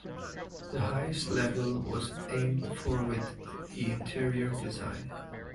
The highest level was aimed for with the interior design.